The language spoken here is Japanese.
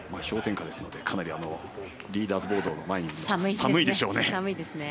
氷点下ですのでリーダーズボードの前にいるのも寒いでしょうね。